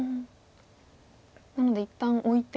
なので一旦置いて。